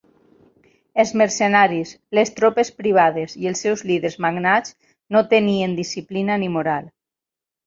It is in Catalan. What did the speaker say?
Els mercenaris, les tropes privades i els seus líders magnats no tenien disciplina ni moral.